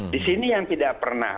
di sini yang tidak pernah